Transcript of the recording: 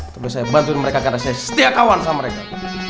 terus saya bantuin mereka karena saya setia awal sama mereka